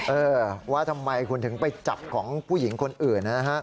เออว่าทำไมคุณถึงไปจับของผู้หญิงคนอื่นนะฮะ